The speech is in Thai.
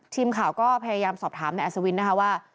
ทีมข่าวก็พยายามสอบถามนายอัศวินนะคะว่า